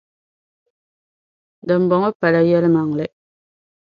Dimbɔŋɔ pala yɛlimaŋli.